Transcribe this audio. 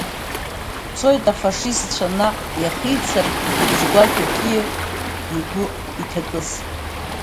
Дцоит афашистцәа наҟ иахицарц изгәакьоу Киев, игәы иҭакыз.